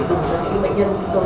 là không có đi vào bệnh viện nào khác